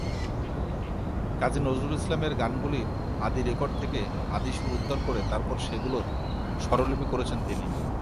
কাজী নজরুল ইসলামের গানগুলির আদি রেকর্ড থেকে আদি সুর উদ্ধার করে তারপর সেগুলোর স্বরলিপি করেছেন তিনি।